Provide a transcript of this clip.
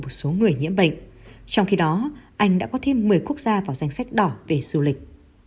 một số người nhiễm bệnh trong khi đó anh đã có thêm một mươi quốc gia vào danh sách đỏ về du lịch